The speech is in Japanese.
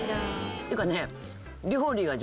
っていうかね